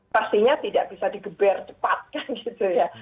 pastinya tidak bisa digeber cepat kan gitu ya